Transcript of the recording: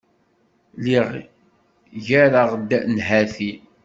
Lliɣ ggareɣ-d nnhati.